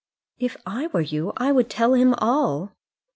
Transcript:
"If I were you I would tell him all."